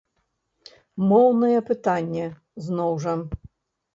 Моўнае пытанне, зноў жа.